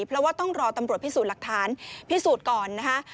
เพราะว่าต้องรอตำรวจพิสูจน์หลักฐานพิสูจน์ก่อนนะคะ